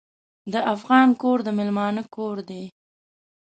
د افغان کور د میلمانه کور دی.